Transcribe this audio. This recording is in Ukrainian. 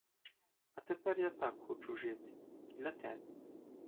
А тепер я так хочу жити! Для тебе.